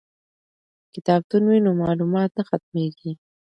که کتابتون وي نو معلومات نه ختمیږي.